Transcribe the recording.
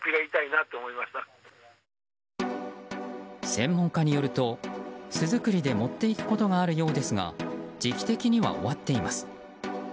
専門家によると、巣作りで持っていくことがあるようですが時期的には終わっています。